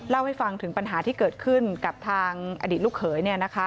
เล่าให้ฟังถึงปัญหาที่เกิดขึ้นกับทางอดีตลูกเขย